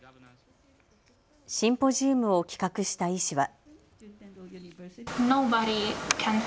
シンポジウムを企画した医師は。